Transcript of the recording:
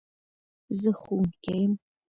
زه ښوونکي يم